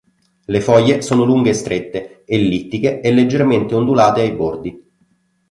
Le foglie sono lunghe e strette, ellittiche e leggermente ondulate ai bordi.